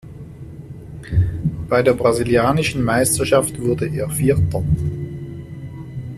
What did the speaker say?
Bei der Brasilianischen Meisterschaft wurde er Vierter.